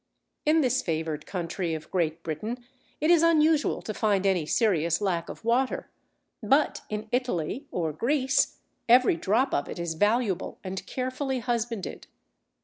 In this favoured country of Great Britain, it is unusual to find any serious lack of water. But in Italy or Greece, every drop of it is valuable and carefully husbanded.